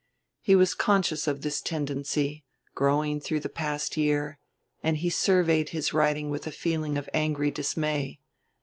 He was conscious of this tendency, growing through the past year; and he surveyed his writing with a feeling of angry dismay.